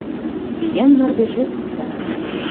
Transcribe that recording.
Виян мардежет виктара.